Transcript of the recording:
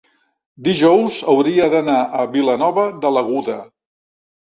dijous hauria d'anar a Vilanova de l'Aguda.